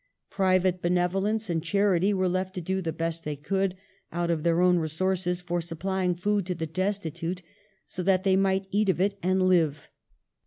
Private benevolence and charity were left to do the best they could, out of their own resources, for supplying food to the desti tute, so that they might eat of it and live.